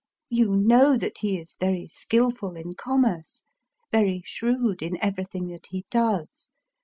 You know that he is very skilful in commerce, — very shrewd in everything that he does.